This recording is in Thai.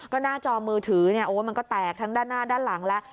ก็หน้าจอมือถือมันก็แตกทั้งด้านหน้าด้านหลังแล้ว